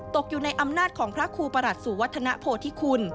ตกอยู่ในอำนาจของพระครูปราชสุวัสดนโภธิคุณ